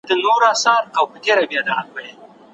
ايا حکومت کول ټولنپوهنې ته اړتيا لري؟